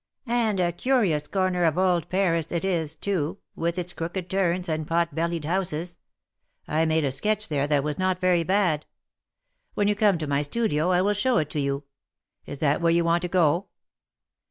"And a curious corner of old Paris it is, too, with its crooked turns and pot bellied houses. I made a sketch there that was not very bad. When you come to my studio I will show it to you. Is that where you want to go